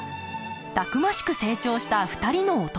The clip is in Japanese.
たくましく成長した２人の弟。